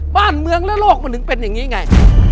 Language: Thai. บ้านเมืองและโลกมันถึงเป็นอย่างนี้ไง